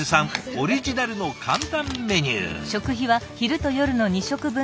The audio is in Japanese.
オリジナルの簡単メニュー。